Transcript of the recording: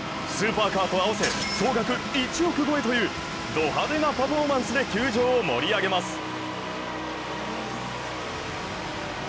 スーパーカーと合わせ、総額１億円超えというド派手なパフォーマンスで球場を盛り上げます。